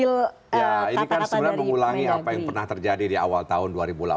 ya ini kan sebenarnya mengulangi apa yang pernah terjadi di awal tahun dua ribu delapan belas